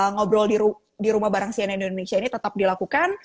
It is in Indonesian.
ngobrol di rumah bareng cnn indonesia ini tetap dilakukan